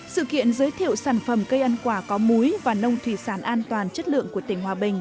sự kiện giới thiệu sản phẩm cây ăn quả có múi và nông thủy sản an toàn chất lượng của tỉnh hòa bình